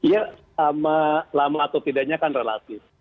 ya sama lama atau tidaknya kan relatif